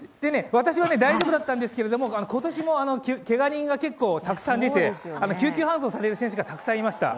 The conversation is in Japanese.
私は大丈夫だったんですけども、今年もけが人が結構たくさん出て救急搬送される選手がたくさんいました。